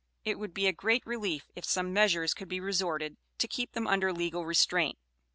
It would be a great relief if some measures could be resorted to to keep them under legal restraint.